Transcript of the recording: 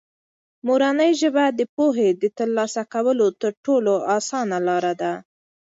مورنۍ ژبه د پوهې د ترلاسه کولو تر ټولو اسانه لاره ده.